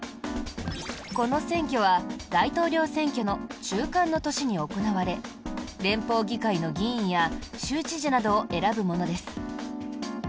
この選挙は大統領選挙の中間の年に行われ連邦議会の議員や州知事などを選ぶものです。